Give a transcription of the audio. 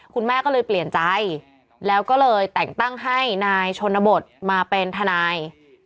คุณแม่ก็เลยเปลี่ยนใจแล้วก็เลยแต่งตั้งให้นายชนบทมาเป็นทนาย